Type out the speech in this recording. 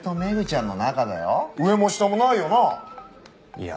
いや。